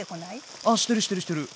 ああしてるしてるしてる。